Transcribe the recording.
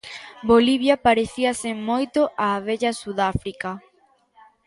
Bolivia parecíase moito á vella Sudáfrica.